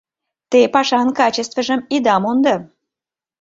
Те пашан качествыжым ида мондо.